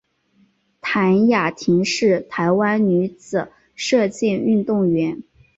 谭雅婷是台湾女子射箭运动员。